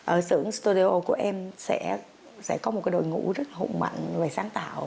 ở xưởng studio của em sẽ có một đội ngũ rất hụt mạnh về sáng tạo